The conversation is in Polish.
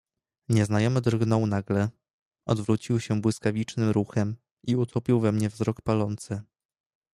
"Nieznajomy drgnął nagle, odwrócił się błyskawicznym ruchem i utopił we mnie wzrok palący."